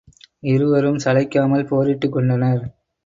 இருவரும் சளைக்காமல் போரிட்டுக் கொண்டனர்.